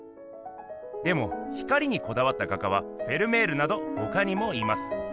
でも光にこだわった画家はフェルメールなどほかにもいます。